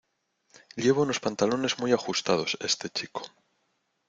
Lleva unos pantalones muy ajustados, este chico.